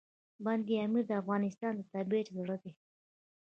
بند امیر د افغانستان د طبیعت زړه دی.